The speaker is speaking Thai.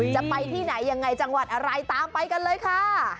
จะไปที่ไหนยังไงจังหวัดอะไรตามไปกันเลยค่ะ